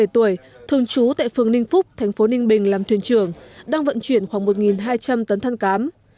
hai mươi bảy tuổi thường trú tại phường ninh phúc thành phố ninh bình làm thuyền trưởng đang vận chuyển khoảng một hai trăm linh tấn than cám